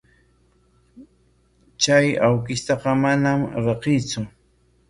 Chay awkishtaqa manam riqsiitsu.